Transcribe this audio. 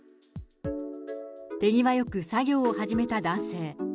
手際よく作業を始めた男性。